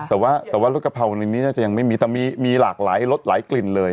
แต่ว่าแต่ว่ารสกะเพราในนี้น่าจะยังไม่มีแต่มีหลากหลายรสหลายกลิ่นเลย